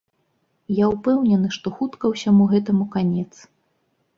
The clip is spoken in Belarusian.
Я ўпэўнены, што хутка ўсяму гэтаму канец.